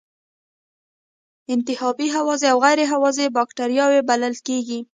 انتحابی هوازی او غیر هوازی بکټریاوې بلل کیږي.